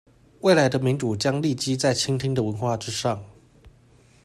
未來的民主將立基在傾聽的文化之上